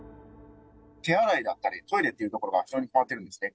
手洗いだったり、トイレっていうところが非常に困ってるんですね。